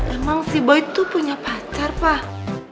emang si boid tuh punya pacar pak